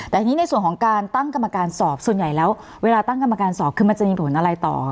แต่ทีนี้ในส่วนของการตั้งกรรมการสอบส่วนใหญ่แล้วเวลาตั้งกรรมการสอบคือมันจะมีผลอะไรต่อ